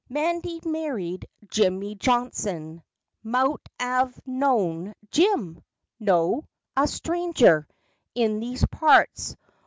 'Mandy married Jimmy Johnson; Mout 'ave know'd Jim ? No ! A stranger In these parts.